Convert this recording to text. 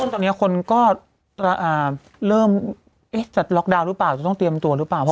ตอนนี้คนก็เริ่มจะล็อกดาวน์หรือเปล่าจะต้องเตรียมตัวหรือเปล่า